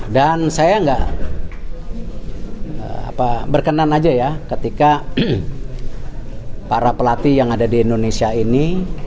dan saya gak berkenan aja ya ketika para pelatih yang ada di indonesia ini